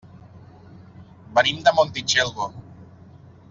Venim de Montitxelvo.